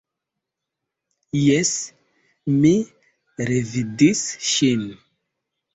Jes, mi revidis ŝin.